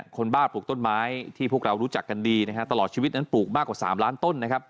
บ้าปลูกต้นไม้ที่พวกเรารู้จักกันดีนะฮะตลอดชีวิตนั้นปลูกมากกว่า๓ล้านต้นนะครับ